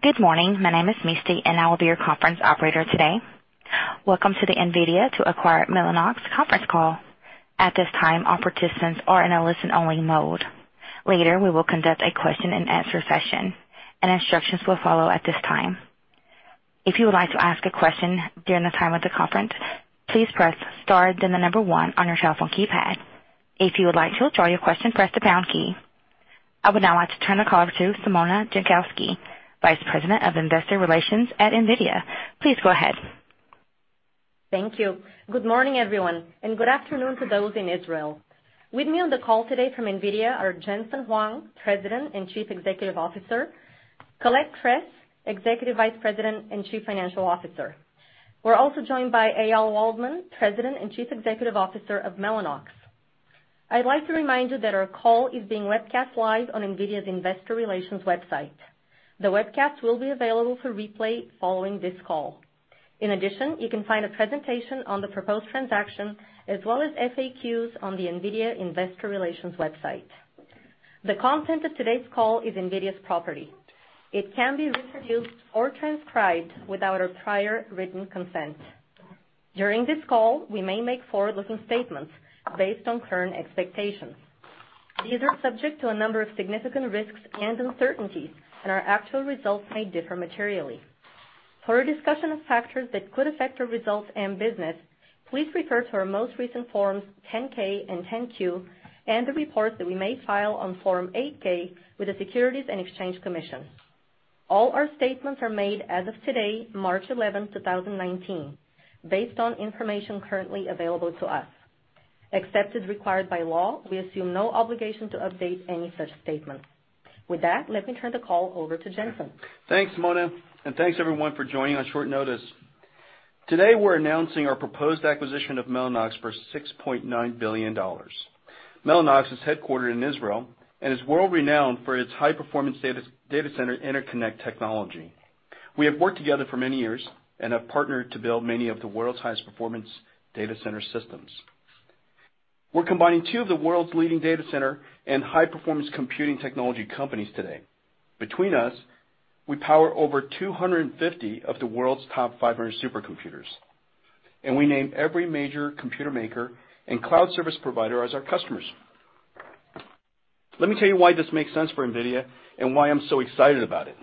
Good morning. My name is Misty, and I will be your conference operator today. Welcome to the NVIDIA to acquire Mellanox conference call. At this time, all participants are in a listen-only mode. Later, we will conduct a question-and-answer session, and instructions will follow at this time. If you would like to ask a question during the time of the conference, please press star then the number one on your telephone keypad. If you would like to withdraw your question, press the pound key. I would now like to turn the call over to Simona Jankowski, Vice President of Investor Relations at NVIDIA. Please go ahead. Thank you. Good morning, everyone, and good afternoon to those in Israel. With me on the call today from NVIDIA are Jensen Huang, President and Chief Executive Officer, Colette Kress, Executive Vice President and Chief Financial Officer. We're also joined by Eyal Waldman, President and Chief Executive Officer of Mellanox. I'd like to remind you that our call is being webcast live on NVIDIA's investor relations website. The webcast will be available for replay following this call. In addition, you can find a presentation on the proposed transaction as well as FAQs on the NVIDIA investor relations website. The content of today's call is NVIDIA's property. It can be reproduced or transcribed without our prior written consent. During this call, we may make forward-looking statements based on current expectations. These are subject to a number of significant risks and uncertainties. Our actual results may differ materially. For a discussion of factors that could affect our results and business, please refer to our most recent Forms 10-K and 10-Q, the reports that we may file on Form 8-K with the Securities and Exchange Commission. All our statements are made as of today, March 11, 2019, based on information currently available to us. Except as required by law, we assume no obligation to update any such statements. With that, let me turn the call over to Jensen. Thanks, Simona, thanks, everyone, for joining on short notice. Today, we're announcing our proposed acquisition of Mellanox for $6.9 billion. Mellanox is headquartered in Israel and is world-renowned for its high-performance data center interconnect technology. We have worked together for many years, have partnered to build many of the world's highest performance data center systems. We're combining two of the world's leading data center and high-performance computing technology companies today. Between us, we power over 250 of the world's top 500 supercomputers. We name every major computer maker and Cloud Service Provider as our customers. Let me tell you why this makes sense for NVIDIA and why I'm so excited about it.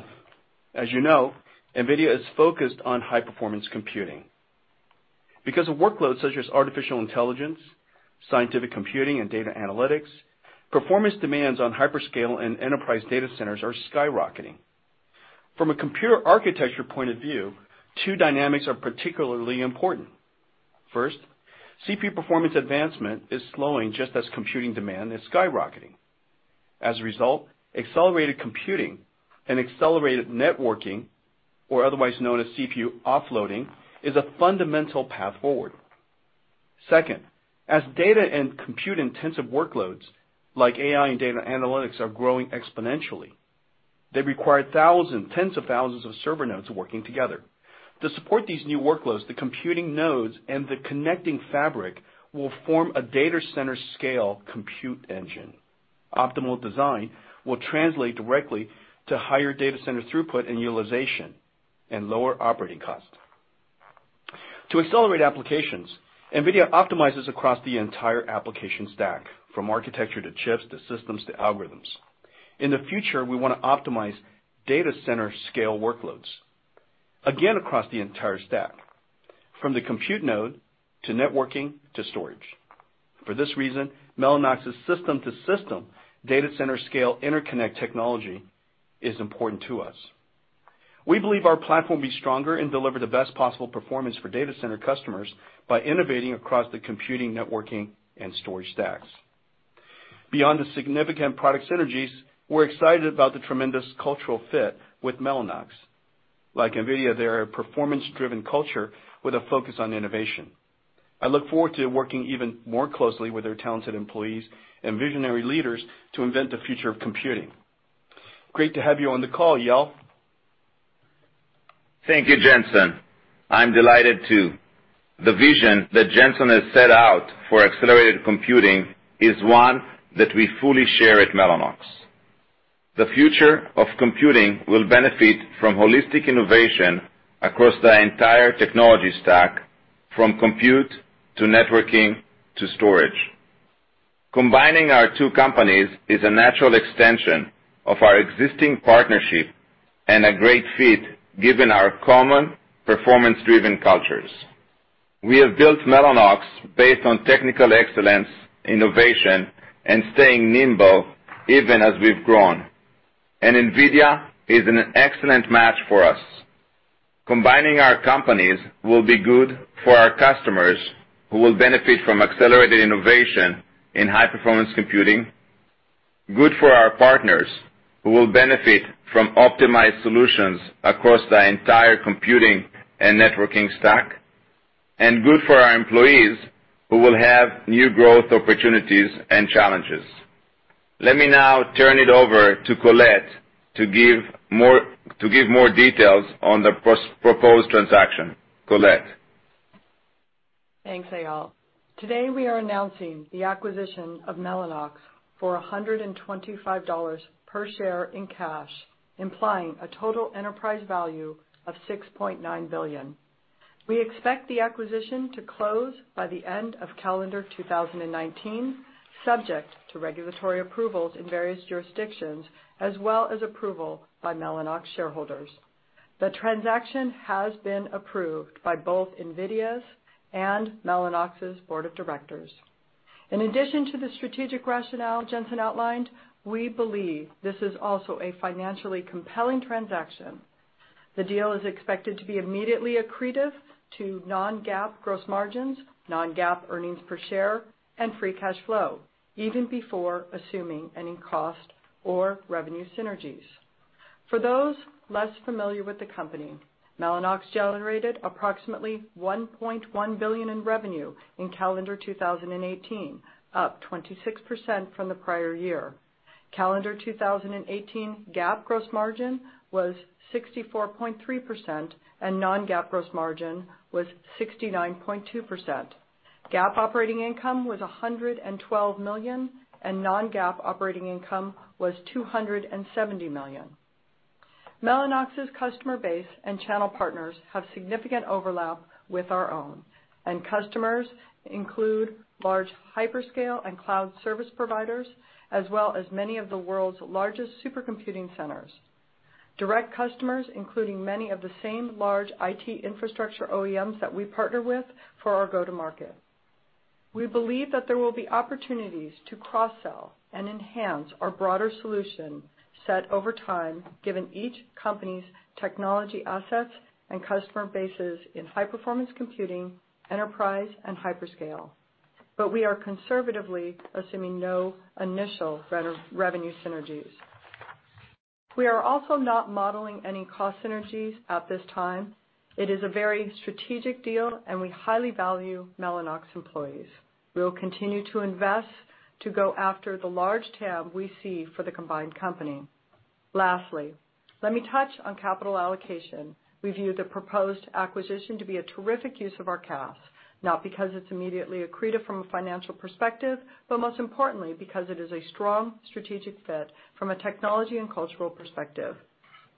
As you know, NVIDIA is focused on high-performance computing. Because of workloads such as artificial intelligence, scientific computing, and data analytics, performance demands on hyperscale and enterprise data centers are skyrocketing. From a computer architecture point of view, two dynamics are particularly important. First, CPU performance advancement is slowing just as computing demand is skyrocketing. As a result, accelerated computing and accelerated networking, or otherwise known as CPU offloading, is a fundamental path forward. Second, as data and compute-intensive workloads like AI and data analytics are growing exponentially, they require thousands, tens of thousands, of server nodes working together. To support these new workloads, the computing nodes and the connecting fabric will form a data center-scale compute engine. Optimal design will translate directly to higher data center throughput and utilization and lower operating costs. To accelerate applications, NVIDIA optimizes across the entire application stack, from architecture to chips, to systems, to algorithms. In the future, we want to optimize data center-scale workloads, again, across the entire stack, from the compute node to networking to storage. For this reason, Mellanox's system-to-system data center-scale interconnect technology is important to us. We believe our platform will be stronger and deliver the best possible performance for data center customers by innovating across the computing, networking, and storage stacks. Beyond the significant product synergies, we're excited about the tremendous cultural fit with Mellanox. Like NVIDIA, they're a performance-driven culture with a focus on innovation. I look forward to working even more closely with their talented employees and visionary leaders to invent the future of computing. Great to have you on the call, Eyal. Thank you, Jensen. I'm delighted too. The vision that Jensen has set out for accelerated computing is one that we fully share at Mellanox. The future of computing will benefit from holistic innovation across the entire technology stack, from compute to networking to storage. Combining our two companies is a natural extension of our existing partnership and a great fit given our common performance-driven cultures. We have built Mellanox based on technical excellence, innovation, and staying nimble even as we've grown. NVIDIA is an excellent match for us. Combining our companies will be good for our customers who will benefit from accelerated innovation in high-performance computing, good for our partners, who will benefit from optimized solutions across the entire computing and networking stack, and good for our employees, who will have new growth opportunities and challenges. Let me now turn it over to Colette to give more details on the proposed transaction. Colette? Thanks, Eyal. Today we are announcing the acquisition of Mellanox for $125 per share in cash, implying a total enterprise value of $6.9 billion. We expect the acquisition to close by the end of calendar 2019, subject to regulatory approvals in various jurisdictions, as well as approval by Mellanox shareholders. The transaction has been approved by both NVIDIA's and Mellanox's board of directors. In addition to the strategic rationale Jensen outlined, we believe this is also a financially compelling transaction. The deal is expected to be immediately accretive to non-GAAP gross margins, non-GAAP earnings per share, and free cash flow, even before assuming any cost or revenue synergies. For those less familiar with the company, Mellanox generated approximately $1.1 billion in revenue in calendar 2018, up 26% from the prior year. Calendar 2018 GAAP gross margin was 64.3%, and non-GAAP gross margin was 69.2%. GAAP operating income was $112 million, non-GAAP operating income was $270 million. Mellanox's customer base and channel partners have significant overlap with our own. Customers include large hyperscale and cloud service providers, as well as many of the world's largest supercomputing centers. Direct customers, including many of the same large IT infrastructure OEMs that we partner with for our go-to market. We believe that there will be opportunities to cross-sell and enhance our broader solution set over time, given each company's technology assets and customer bases in high-performance computing, enterprise, and hyperscale. We are conservatively assuming no initial revenue synergies. We are also not modeling any cost synergies at this time. It is a very strategic deal, and we highly value Mellanox employees. We will continue to invest to go after the large TAM we see for the combined company. Lastly, let me touch on capital allocation. We view the proposed acquisition to be a terrific use of our cash, not because it's immediately accretive from a financial perspective, but most importantly because it is a strong strategic fit from a technology and cultural perspective.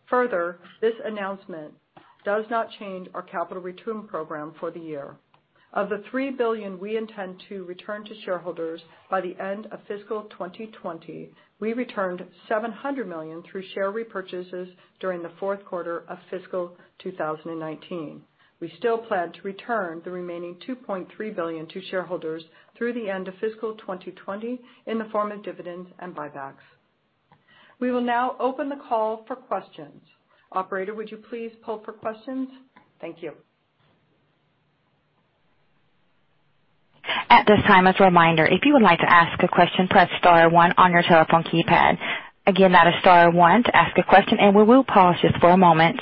Further, this announcement does not change our capital return program for the year. Of the $3 billion we intend to return to shareholders by the end of fiscal 2020, we returned $700 million through share repurchases during the fourth quarter of fiscal 2019. We still plan to return the remaining $2.3 billion to shareholders through the end of fiscal 2020 in the form of dividends and buybacks. We will now open the call for questions. Operator, would you please pull for questions? Thank you. At this time, as a reminder, if you would like to ask a question, press star one on your telephone keypad. Again, that is star one to ask a question, and we will pause just for a moment.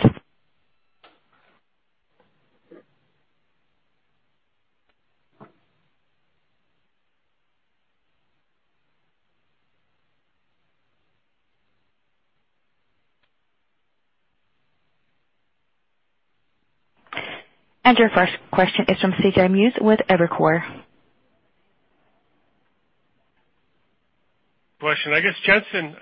Your first question is from C.J. Muse with Evercore. Question. I guess, Jensen,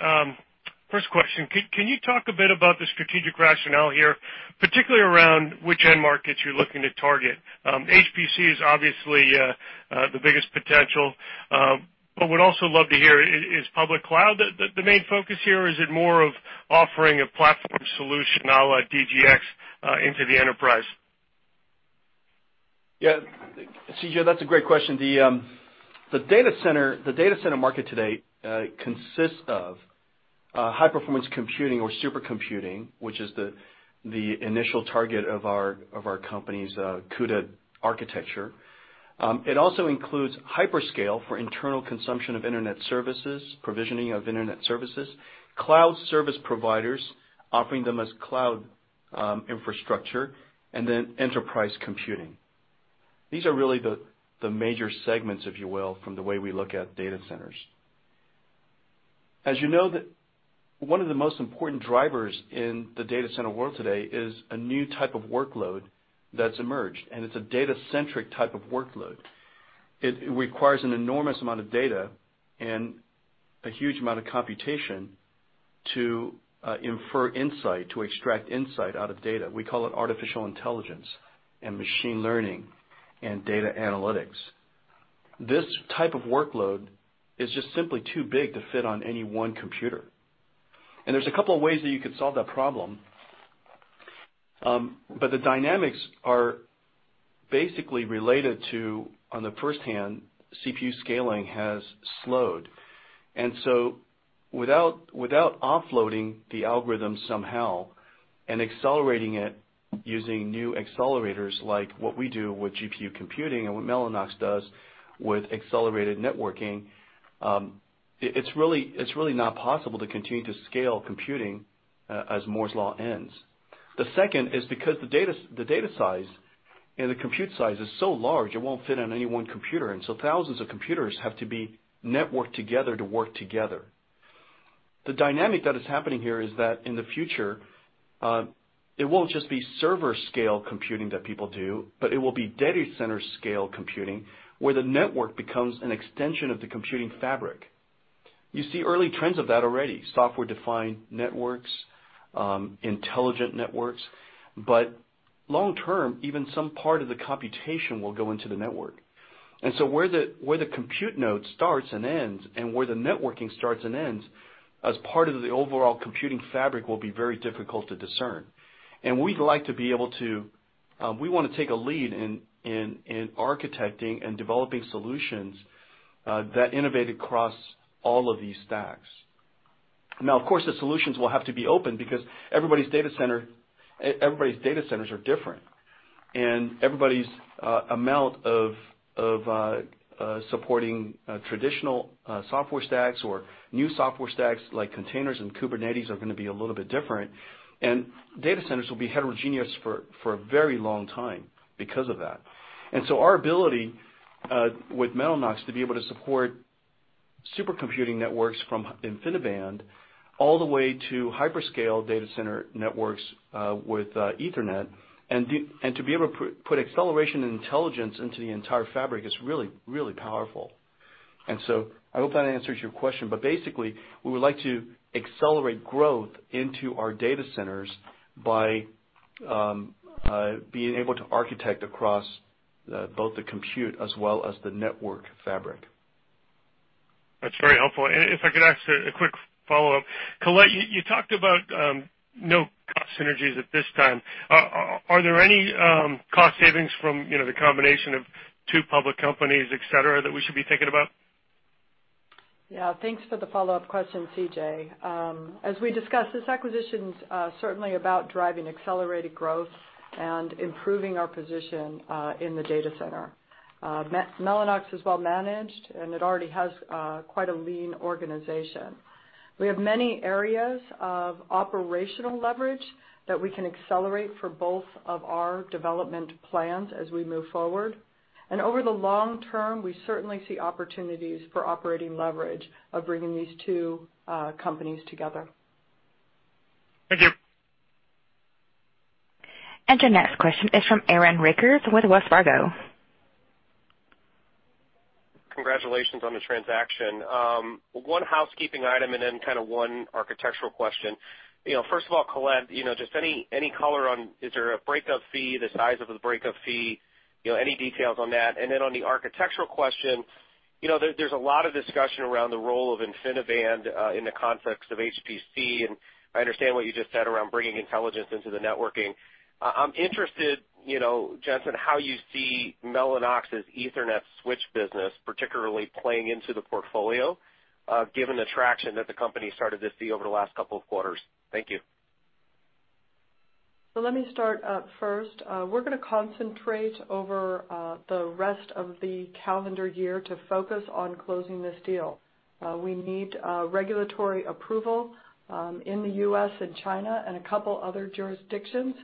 first question. Can you talk a bit about the strategic rationale here, particularly around which end markets you're looking to target? HPC is obviously the biggest potential, but would also love to hear is public cloud the main focus here, or is it more of offering a platform solution a la DGX into the enterprise? Yeah. C.J., that's a great question. The data center market today consists of high-performance computing or supercomputing, which is the initial target of our company's CUDA architecture. It also includes hyperscale for internal consumption of internet services, provisioning of internet services, cloud service providers offering them as cloud infrastructure, then enterprise computing. These are really the major segments, if you will, from the way we look at data centers. As you know, one of the most important drivers in the data center world today is a new type of workload that's emerged, it's a data-centric type of workload. It requires an enormous amount of data and a huge amount of computation to infer insight, to extract insight out of data. We call it artificial intelligence and machine learning and data analytics. This type of workload is just simply too big to fit on any one computer. There's a couple of ways that you could solve that problem. The dynamics are basically related to, on the firsthand, CPU scaling has slowed. Without offloading the algorithm somehow and accelerating it using new accelerators like what we do with GPU computing and what Mellanox does with accelerated networking, it's really not possible to continue to scale computing as Moore's Law ends. The second is because the data size and the compute size is so large, it won't fit on any one computer, thousands of computers have to be networked together to work together. The dynamic that is happening here is that in the future, it won't just be server scale computing that people do, but it will be data center scale computing, where the network becomes an extension of the computing fabric. You see early trends of that already. Software-defined networks, intelligent networks. Long-term, even some part of the computation will go into the network. Where the compute node starts and ends and where the networking starts and ends as part of the overall computing fabric will be very difficult to discern. We want to take a lead in architecting and developing solutions that innovate across all of these stacks. Now, of course, the solutions will have to be open because everybody's data centers are different, and everybody's amount of supporting traditional software stacks or new software stacks like containers and Kubernetes are going to be a little bit different. Data centers will be heterogeneous for a very long time because of that. Our ability with Mellanox to be able to support supercomputing networks from InfiniBand all the way to hyperscale data center networks with Ethernet, and to be able to put acceleration and intelligence into the entire fabric is really, really powerful. I hope that answers your question. Basically, we would like to accelerate growth into our data centers by being able to architect across both the compute as well as the network fabric. That's very helpful. If I could ask a quick follow-up. Colette, you talked about no cost synergies at this time. Are there any cost savings from the combination of two public companies, et cetera, that we should be thinking about? Yeah. Thanks for the follow-up question, C.J. As we discussed, this acquisition's certainly about driving accelerated growth and improving our position in the data center. Mellanox is well-managed, and it already has quite a lean organization. We have many areas of operational leverage that we can accelerate for both of our development plans as we move forward. Over the long term, we certainly see opportunities for operating leverage of bringing these two companies together. Thank you. Your next question is from Aaron Rakers with Wells Fargo. Congratulations on the transaction. One housekeeping item and then one architectural question. First of all, Colette, just any color on, is there a breakup fee, the size of the breakup fee, any details on that? On the architectural question, there's a lot of discussion around the role of InfiniBand in the context of HPC, and I understand what you just said around bringing intelligence into the networking. I'm interested, Jensen, how you see Mellanox's Ethernet switch business, particularly playing into the portfolio, given the traction that the company started to see over the last couple of quarters. Thank you. Let me start first. We're going to concentrate over the rest of the calendar year to focus on closing this deal. We need regulatory approval in the U.S. and China and a couple other jurisdictions.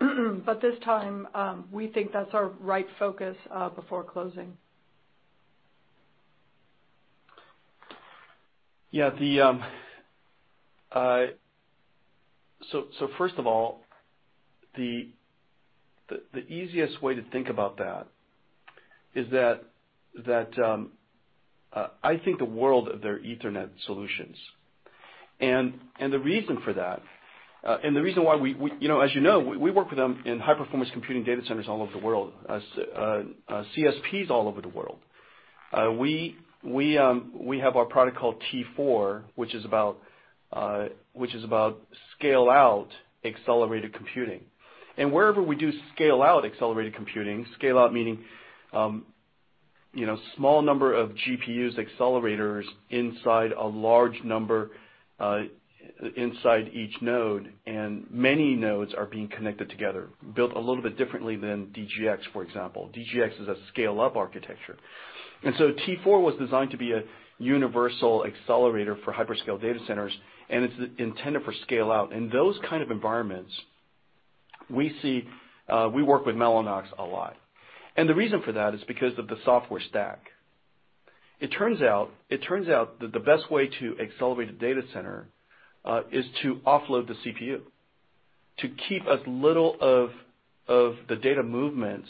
This time, we think that's our right focus before closing. First of all, the easiest way to think about that is that I think the world of their Ethernet solutions and the reason for that, as you know, we work with them in high-performance computing data centers all over the world, CSPs all over the world. We have our product called T4, which is about scale-out accelerated computing. Wherever we do scale-out accelerated computing, scale-out meaning small number of GPUs accelerators inside a large number inside each node, and many nodes are being connected together, built a little bit differently than DGX, for example. DGX is a scale-up architecture. T4 was designed to be a universal accelerator for hyperscale data centers, and it's intended for scale-out. In those kind of environments, we work with Mellanox a lot. The reason for that is because of the software stack. It turns out that the best way to accelerate a data center, is to offload the CPU, to keep as little of the data movements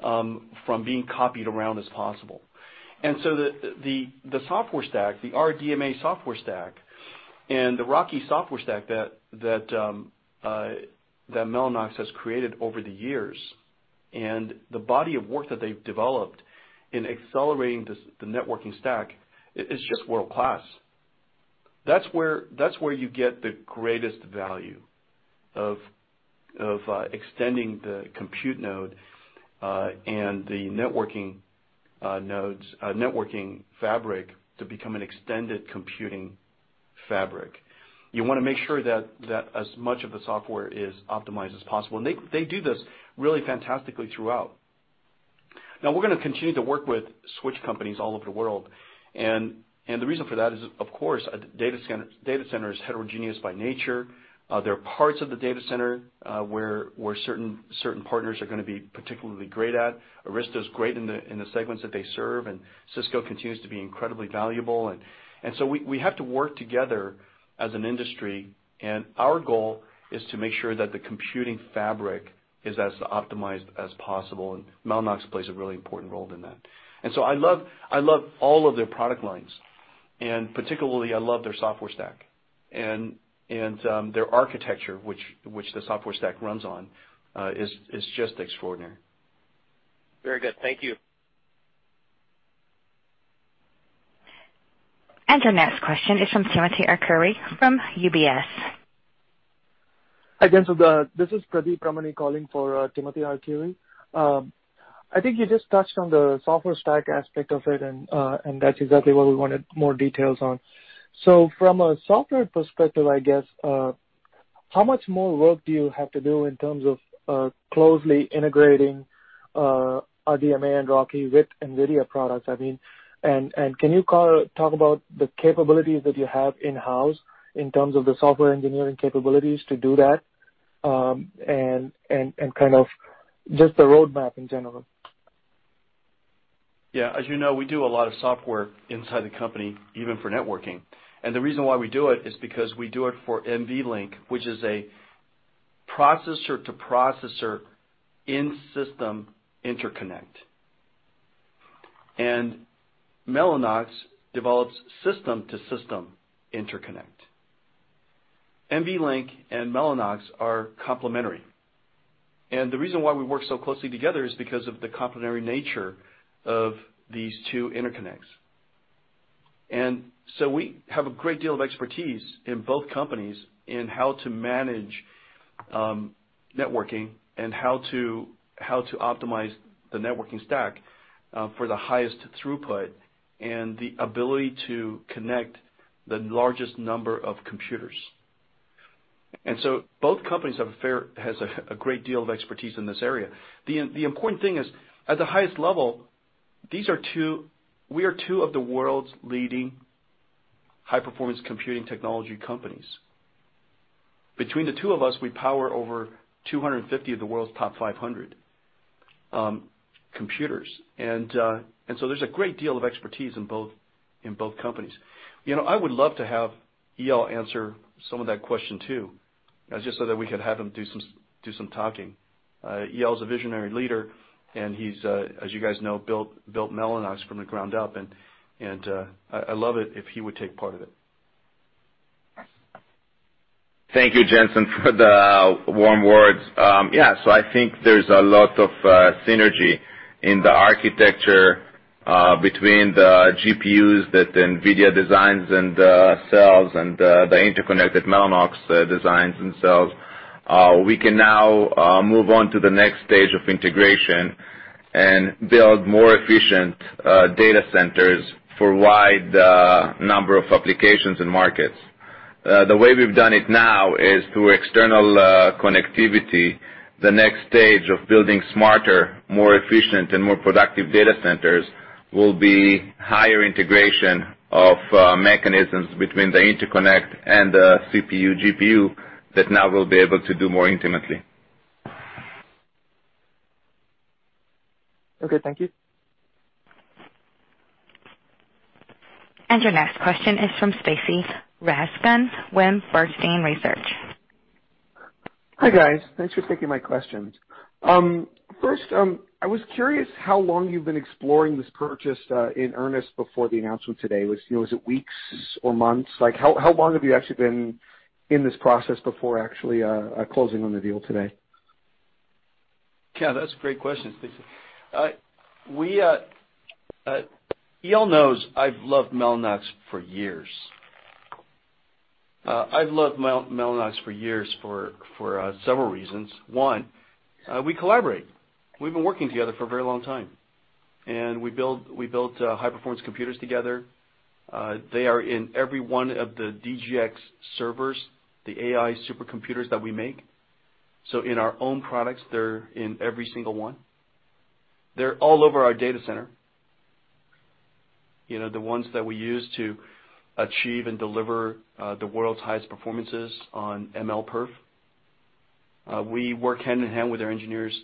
from being copied around as possible. The RDMA software stack, and the RoCE software stack that Mellanox has created over the years, and the body of work that they've developed in accelerating the networking stack is just world-class. That's where you get the greatest value of extending the compute node, and the networking fabric to become an extended computing fabric. You want to make sure that as much of the software is optimized as possible. They do this really fantastically throughout. Now we're going to continue to work with switch companies all over the world, and the reason for that is, of course, a data center is heterogeneous by nature. There are parts of the data center where certain partners are going to be particularly great at. Arista is great in the segments that they serve, and Cisco continues to be incredibly valuable. We have to work together as an industry, and our goal is to make sure that the computing fabric is as optimized as possible, and Mellanox plays a really important role in that. I love all of their product lines, and particularly I love their software stack. Their architecture, which the software stack runs on, is just extraordinary. Very good. Thank you. Our next question is from Timothy Arcuri from UBS. Hi, Jensen. This is Pradeep Ramani calling for Timothy Arcuri. I think you just touched on the software stack aspect of it, and that's exactly what we wanted more details on. From a software perspective, I guess, how much more work do you have to do in terms of closely integrating RDMA and RoCE with NVIDIA products? I mean, and can you talk about the capabilities that you have in-house in terms of the software engineering capabilities to do that, and kind of just the roadmap in general? Yeah, as you know, we do a lot of software inside the company, even for networking. The reason why we do it is because we do it for NVLink, which is a processor-to-processor, in-system interconnect. Mellanox develops system-to-system interconnect. NVLink and Mellanox are complementary, and the reason why we work so closely together is because of the complementary nature of these two interconnects. We have a great deal of expertise in both companies in how to manage networking and how to optimize the networking stack for the highest throughput and the ability to connect the largest number of computers. Both companies has a great deal of expertise in this area. The important thing is, at the highest level, we are two of the world's leading high-performance computing technology companies. Between the two of us, we power over 250 of the world's top 500 computers. There's a great deal of expertise in both companies. I would love to have Eyal answer some of that question, too, just so that we could have him do some talking. Eyal's a visionary leader, and he's, as you guys know, built Mellanox from the ground up, and I love it if he would take part of it. Thank you, Jensen, for the warm words. Yeah. I think there's a lot of synergy in the architecture between the GPUs that NVIDIA designs and sells and the interconnected Mellanox designs and sells. We can now move on to the next stage of integration and build more efficient data centers for wide number of applications and markets. The way we've done it now is through external connectivity. The next stage of building smarter, more efficient, and more productive data centers will be higher integration of mechanisms between the interconnect and the CPU, GPU that now we'll be able to do more intimately. Okay, thank you. Your next question is from Stacy Rasgon, Bernstein Research. Hi, guys. Thanks for taking my questions. First, I was curious how long you've been exploring this purchase in earnest before the announcement today. Was it weeks or months? Like, how long have you actually been in this process before actually closing on the deal today? Yeah, that's a great question, Stacy. Eyal knows I've loved Mellanox for years. I've loved Mellanox for years for several reasons. One, we collaborate. We've been working together for a very long time, and we built high-performance computers together. They are in every one of the DGX servers, the AI supercomputers that we make. In our own products, they're in every single one. They're all over our data center. The ones that we use to achieve and deliver the world's highest performances on MLPerf. We work hand-in-hand with their engineers,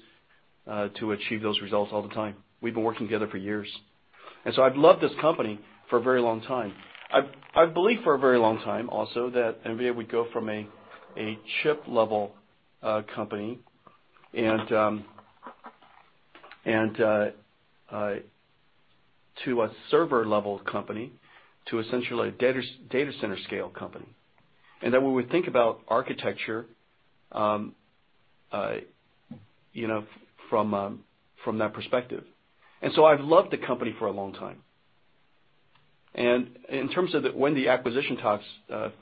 to achieve those results all the time. We've been working together for years. I've loved this company for a very long time. I've believed for a very long time also that NVIDIA would go from a chip-level company to a server-level company to essentially a data center scale company, and that when we think about architecture from that perspective. I've loved the company for a long time. In terms of when the acquisition talks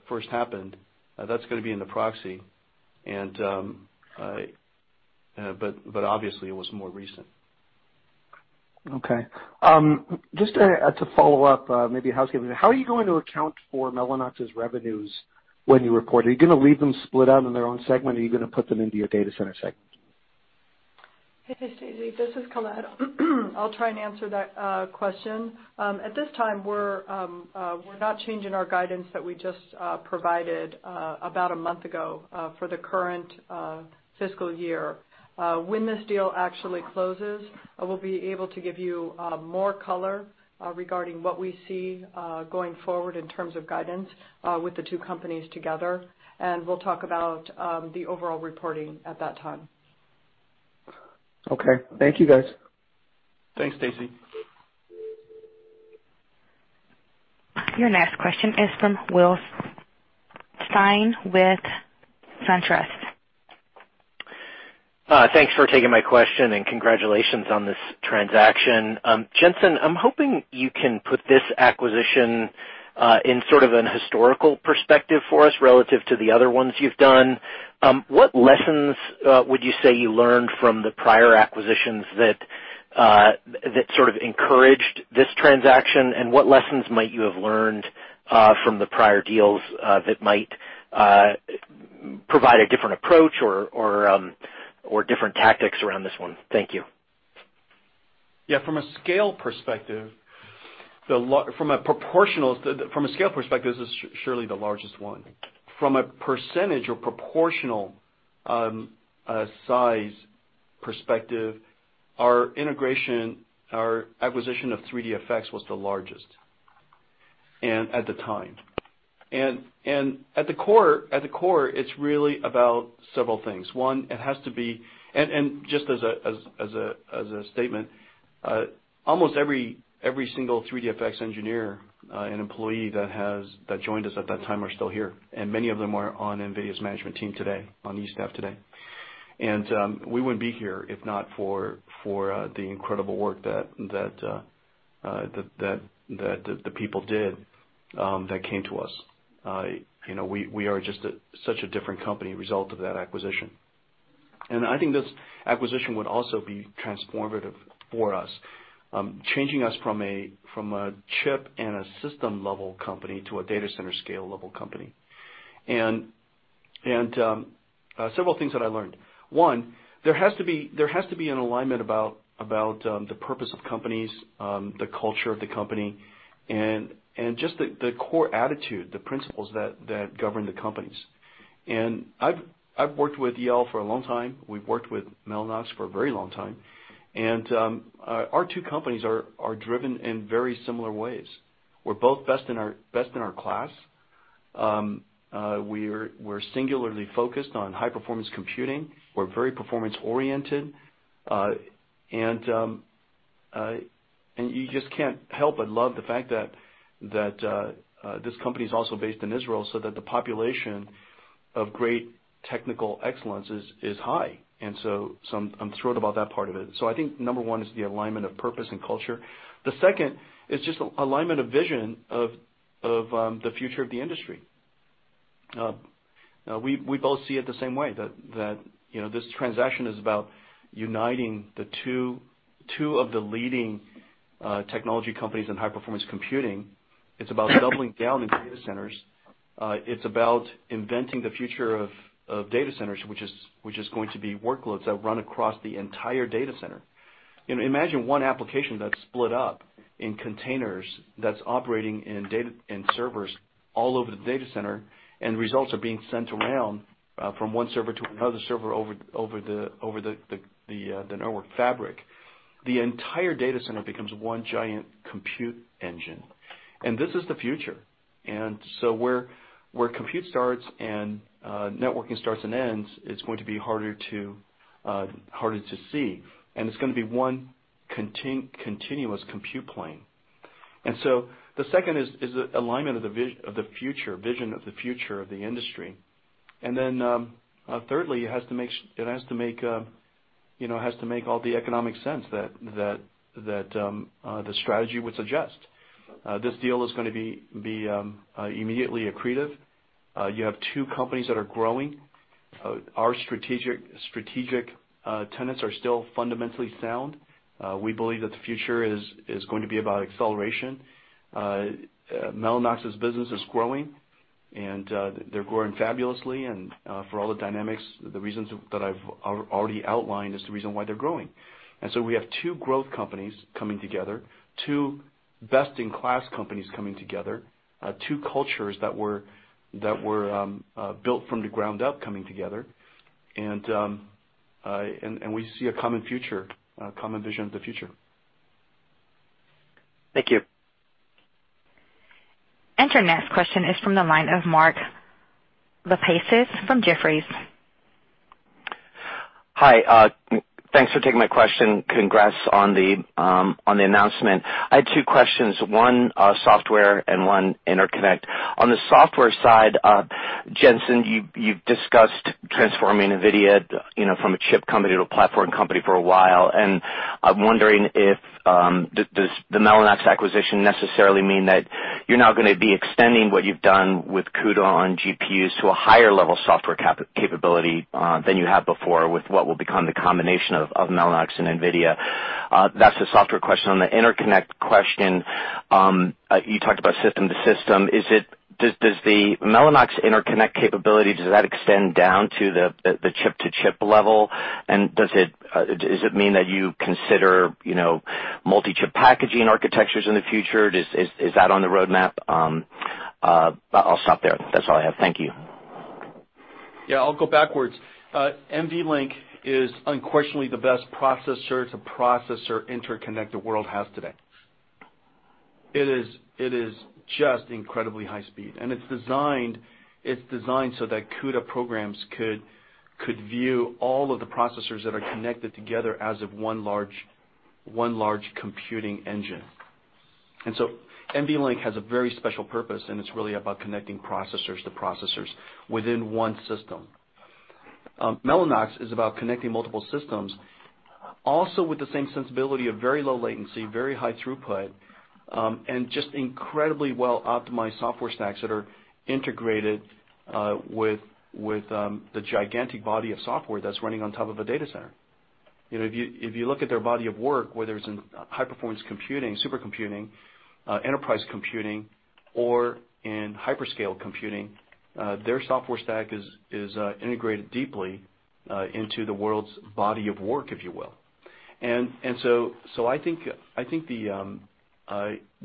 first happened, that's going to be in the proxy. Obviously it was more recent. Okay. Just to follow up, maybe housekeeping, how are you going to account for Mellanox's revenues when you report? Are you going to leave them split out in their own segment? Are you going to put them into your data center segment? Hey Stacy, this is Colette. I'll try and answer that question. At this time, we're not changing our guidance that we just provided about a month ago for the current fiscal year. When this deal actually closes, we'll be able to give you more color regarding what we see going forward in terms of guidance with the two companies together, we'll talk about the overall reporting at that time. Okay. Thank you, guys. Thanks, Stacy. Your next question is from William Stein with SunTrust. Thanks for taking my question and congratulations on this transaction. Jensen, I'm hoping you can put this acquisition in sort of an historical perspective for us relative to the other ones you've done. What lessons would you say you learned from the prior acquisitions that sort of encouraged this transaction? What lessons might you have learned from the prior deals that might provide a different approach or different tactics around this one? Thank you. Yeah. From a scale perspective, this is surely the largest one. From a percentage or proportional size perspective, our integration, our acquisition of 3dfx was the largest at the time. At the core, it's really about several things. One, and just as a statement, almost every single 3dfx engineer and employee that joined us at that time are still here, and many of them are on NVIDIA's management team today, on E-staff today. We wouldn't be here if not for the incredible work that the people did that came to us. We are just such a different company result of that acquisition. I think this acquisition would also be transformative for us, changing us from a chip and a system-level company to a data center scale level company. Several things that I learned. One, there has to be an alignment about the purpose of companies, the culture of the company, and just the core attitude, the principles that govern the companies. I've worked with Eyal for a long time. We've worked with Mellanox for a very long time. Our two companies are driven in very similar ways. We're both best in our class. We're singularly focused on high-performance computing. We're very performance-oriented. You just can't help but love the fact that this company is also based in Israel, so that the population of great technical excellence is high. I'm thrilled about that part of it. I think number one is the alignment of purpose and culture. The second is just alignment of vision of the future of the industry. We both see it the same way, that this transaction is about uniting two of the leading technology companies in high-performance computing. It's about doubling down in data centers. It's about inventing the future of data centers, which is going to be workloads that run across the entire data center. Imagine one application that's split up in containers that's operating in servers all over the data center, and results are being sent around from one server to another server over the network fabric. The entire data center becomes one giant compute engine. Where compute starts and networking starts and ends, it's going to be harder to see, and it's going to be one continuous compute plane. The second is the alignment of the vision of the future of the industry. Thirdly, it has to make all the economic sense that the strategy would suggest. This deal is going to be immediately accretive. You have two companies that are growing. Our strategic tenets are still fundamentally sound. We believe that the future is going to be about acceleration. Mellanox's business is growing, and they're growing fabulously. For all the dynamics, the reasons that I've already outlined is the reason why they're growing. We have two growth companies coming together, two best-in-class companies coming together, two cultures that were built from the ground up coming together. We see a common vision of the future. Thank you. Your next question is from the line of Mark Lipacis from Jefferies. Hi. Thanks for taking my question. Congrats on the announcement. I had two questions, one software and one interconnect. On the software side, Jensen, you've discussed transforming NVIDIA from a chip company to a platform company for a while, and I'm wondering if the Mellanox acquisition necessarily mean that you're now going to be extending what you've done with CUDA on GPUs to a higher level software capability than you have before with what will become the combination of Mellanox and NVIDIA. That's the software question. On the interconnect question, you talked about system to system. Does the Mellanox interconnect capability, does that extend down to the chip-to-chip level? Does it mean that you consider multi-chip packaging architectures in the future? Is that on the roadmap? I'll stop there. That's all I have. Thank you. Yeah, I'll go backwards. NVLink is unquestionably the best processor-to-processor interconnect the world has today. It is just incredibly high speed, and it's designed so that CUDA programs could view all of the processors that are connected together as one large computing engine. NVLink has a very special purpose, and it's really about connecting processors to processors within one system. Mellanox is about connecting multiple systems, also with the same sensibility of very low latency, very high throughput, and just incredibly well-optimized software stacks that are integrated with the gigantic body of software that's running on top of a data center. If you look at their body of work, whether it's in high-performance computing, supercomputing, enterprise computing, or in hyperscale computing their software stack is integrated deeply into the world's body of work, if you will. I think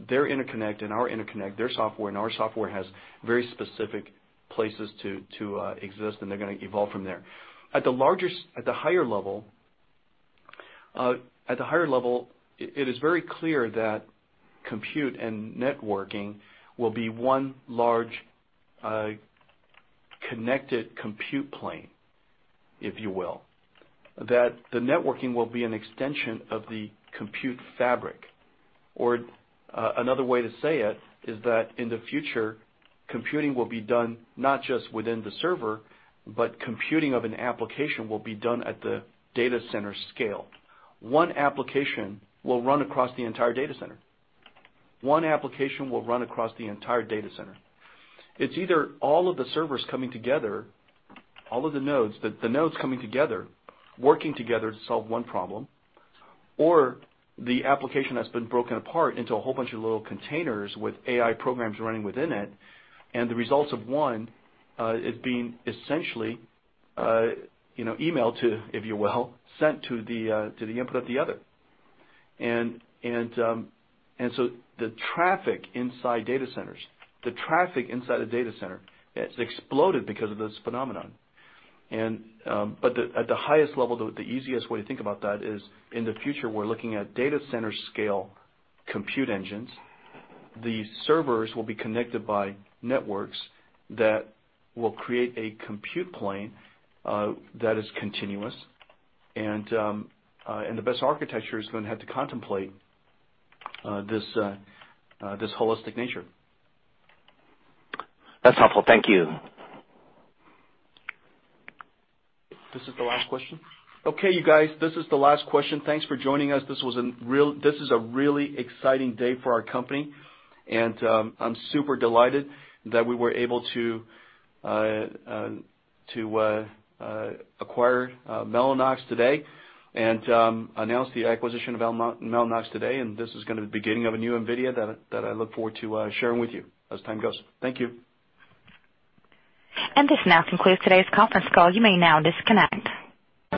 their interconnect and our interconnect, their software and our software, has very specific places to exist, and they're going to evolve from there. At the higher level, it is very clear that compute and networking will be one large connected compute plane, if you will. The networking will be an extension of the compute fabric. Another way to say it is that in the future, computing will be done not just within the server, but computing of an application will be done at the data center scale. One application will run across the entire data center. It's either all of the servers coming together, all of the nodes coming together, working together to solve one problem, or the application that's been broken apart into a whole bunch of little containers with AI programs running within it, and the results of one is being essentially emailed to, if you will, sent to the input of the other. The traffic inside data centers has exploded because of this phenomenon. At the highest level, the easiest way to think about that is, in the future, we're looking at data center scale compute engines. The servers will be connected by networks that will create a compute plane that is continuous. The best architecture is going to have to contemplate this holistic nature. That's helpful. Thank you. This is the last question? Okay, you guys, this is the last question. Thanks for joining us. This is a really exciting day for our company, I'm super delighted that we were able to acquire Mellanox today and announce the acquisition of Mellanox today. This is going to be the beginning of a new NVIDIA that I look forward to sharing with you as time goes. Thank you. This now concludes today's conference call. You may now disconnect.